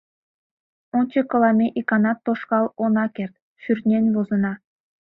Ончыкыла ме иканат тошкал она керт, шӱртнен возына.